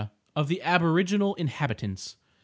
of the aboriginal inhabitants.